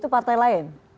itu partai lain